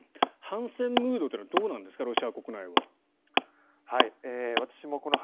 反戦ムードというのはどうなんですか？